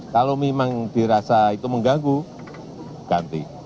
kalau memang dirasa itu mengganggu ganti